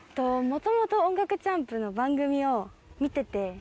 もともと『音楽チャンプ』の番組を見てて。